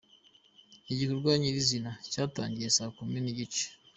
Igikorwa nyirizina cyatangiye saa kumi nigice.